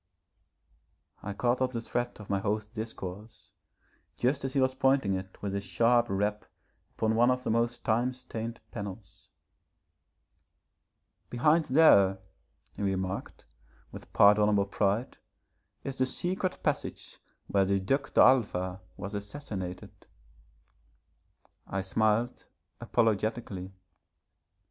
I caught up the thread of my host's discourse just as he was pointing it with a sharp rap upon one of the most time stained panels. 'Behind there,' he remarked, with pardonable pride, 'is the secret passage where the Duc d'Alva was assassinated.' I smiled apologetically.